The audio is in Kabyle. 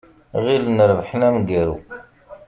Ɣilen rebḥen amgaru.